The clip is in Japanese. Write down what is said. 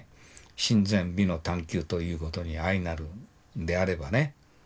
真善美の探究ということに相成るんであればね